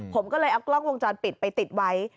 ผมก็เลยเอากล้องวงจรปิดไปติดไว้